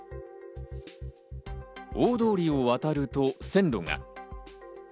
大通りを渡ると線路が。